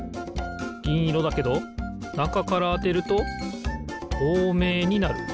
ぎんいろだけどなかからあてるととうめいになる。